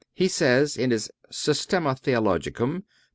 He says, in his Systema Theologicum, p.